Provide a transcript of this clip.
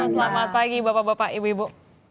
selamat pagi bapak bapak ibu ibu